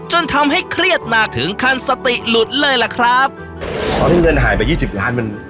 จนทำให้เครียดหนักถึงขั้นสติหลุดเลยล่ะครับทำให้เงินหายไปยี่สิบล้านมัน